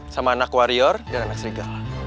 sama anak warior dan anak serigala